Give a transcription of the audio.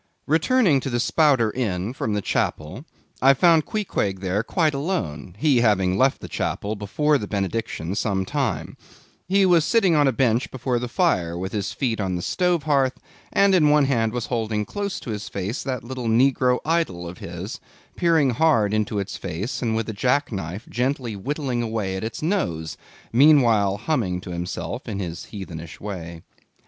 Returning to the Spouter Inn from the Chapel, I found Queequeg there quite alone; he having left the Chapel before the benediction some time. He was sitting on a bench before the fire, with his feet on the stove hearth, and in one hand was holding close up to his face that little negro idol of his; peering hard into its face, and with a jack knife gently whittling away at its nose, meanwhile humming to himself in his heathenish way.